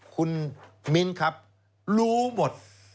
คุณมิ้นครับรู้หมด